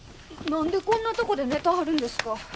何でこんなとこで寝たはるんですか。